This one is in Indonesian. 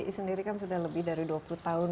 i sendiri kan sudah lebih dari dua puluh tahun